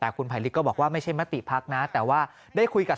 แต่คุณภัยลิกก็บอกว่าไม่ใช่มติพักนะแต่ว่าได้คุยกับ